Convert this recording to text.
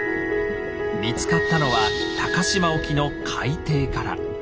見つかったのは鷹島沖の海底から。